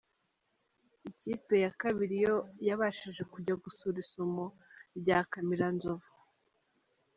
Ikipe ya kabiri yo yabashije kujya gusura isumo rya Kamiranzovu.